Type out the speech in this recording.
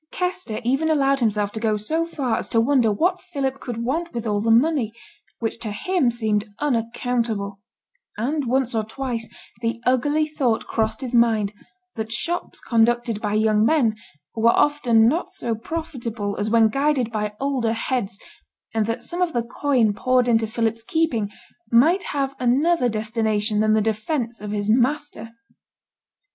Kester even allowed himself to go so far as to wonder what Philip could want with all the money, which to him seemed unaccountable; and once or twice the ugly thought crossed his mind, that shops conducted by young men were often not so profitable as when guided by older heads, and that some of the coin poured into Philip's keeping might have another destination than the defence of his master.